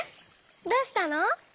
どうしたの？